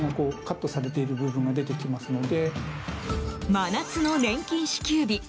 真夏の年金支給日。